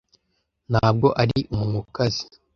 ntabwo ari umunwa ukaze